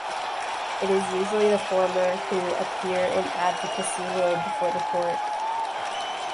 It is usually the former who appear in an advocacy role before the court.